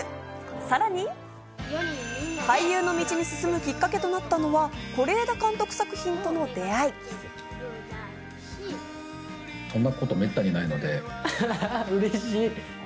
さらに、俳優の道に進むきっかけとなったのは是枝監督作品との出会い。